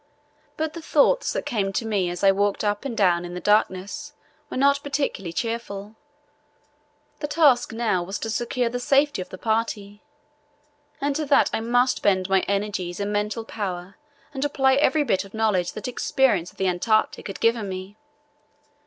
But the thoughts that came to me as I walked up and down in the darkness were not particularly cheerful. The task now was to secure the safety of the party, and to that I must bend my energies and mental power and apply every bit of knowledge that experience of the Antarctic had given me.